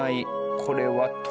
これは鶏？